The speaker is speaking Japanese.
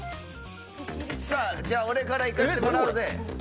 じゃあ、俺からいかせてもらうぜ。